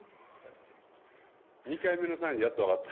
２回目のサインでやっと分かった。